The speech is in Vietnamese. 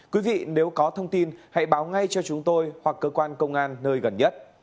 quý vị nếu có thông tin hãy báo ngay cho chúng tôi hoặc cơ quan công an nơi gần nhất